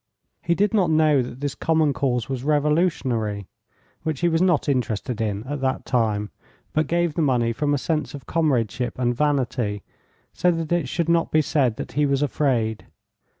He did not know that this common cause was revolutionary, which he was not interested in at that time, but gave the money from a sense of comradeship and vanity, so that it should not be said that he was afraid.